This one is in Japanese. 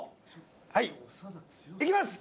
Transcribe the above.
はいいきます